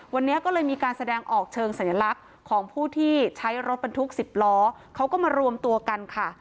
วันนี้ก็เลยมีการแสดงออกเชิงสัญลักษณ์ของผู้ที่ใช้รถบรรทุก๑๐ล้อเขาก็มารวมตัวกันค่ะ